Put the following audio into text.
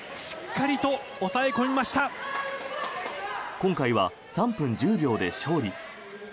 今回は３分１０秒で勝利。